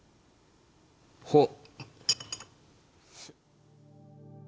ほっ！